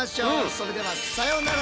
それではさようなら。